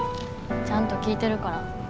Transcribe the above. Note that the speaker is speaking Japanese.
ちゃんと聞いてるから。